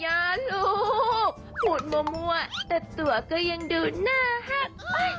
ยายาลูกหมุดมั่วแต่ตัวก็ยังดูหน้าหัก